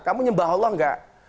kamu nyembah allah nggak